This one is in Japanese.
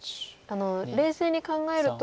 冷静に考えるとですね